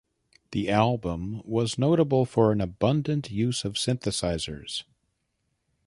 The album was notable for an abundant use of synthesizers.